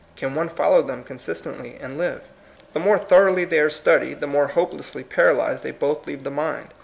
Can one follow them consistently and live? The more thoroughly they are studied, the more hopelessly paralyzed they both leave the mind.